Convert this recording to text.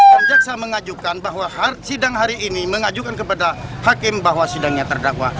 dan jaksa mengajukan bahwa sidang hari ini mengajukan kepada hakim bahwa sidangnya terdakwa